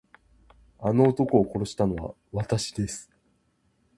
あの男を殺したのはわたしです。